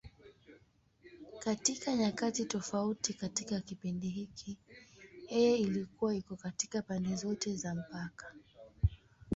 Katika nyakati tofauti katika kipindi hiki, yeye ilikuwa iko katika pande zote za mpaka.